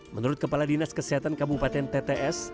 menurut kepala dinas kesehatan kabupaten tts